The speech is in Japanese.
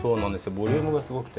ボリュームがすごくて。